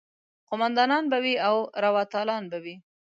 قوماندانان به وي او روا تالان به وي.